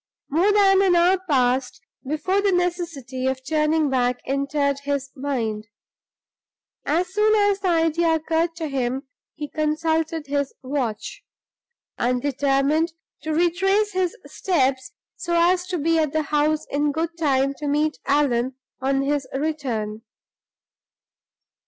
More than an hour passed before the necessity of turning back entered his mind. As soon as the idea occurred to him, he consulted his watch, and determined to retrace his steps, so as to be at the house in good time to meet Allan on his return.